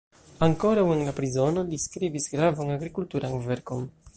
Ankoraŭ en la prizono li skribis gravan agrikulturan verkon.